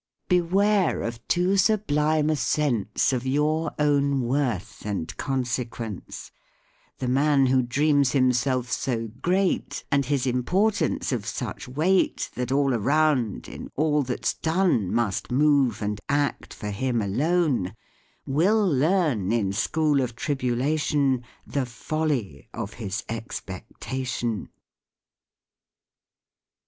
Beware of too sublime a sense Of your own worth and consequence: The man who dreams himself so great, And his importance of such weight, That all around, in all that's done, Must move and act for him alone, Will learn in school of tribulation The folly of his expectation.